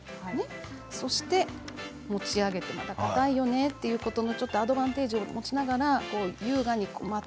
持ち上げて、かたいよねということのアドバンテージを持ちながら。